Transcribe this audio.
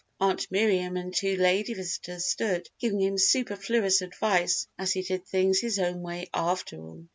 Aunt Miriam and two lady visitors stood giving him superfluous advice as he did things his own way, after all.